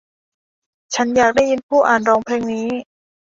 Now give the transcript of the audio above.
ฉันอยากได้ยินผู้อ่านร้องเพลงนี้